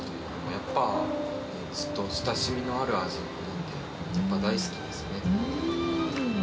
やっぱ、ずっと親しみのある味なんで、やっぱ大好きですね。